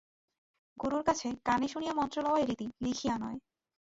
গুরুর কাছে কানে শুনিয়া মন্ত্র লওয়াই রীতি, লিখিয়া নয়।